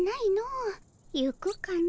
行くかの。